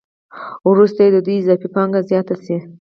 وروسته چې د دوی اضافي پانګه زیاته شي